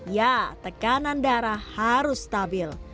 ya tekanan darah harus stabil